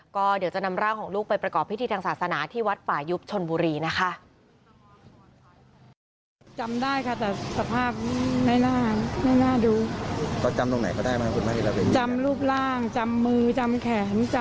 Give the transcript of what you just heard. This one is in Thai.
ก็เดี๋ยวจะนำร่างของลูกไปประกอบพิธีทางศาสนาที่วัดป่ายุบชนบุรีนะคะ